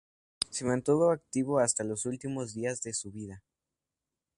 Se mantuvo activo hasta los últimos días de su vida.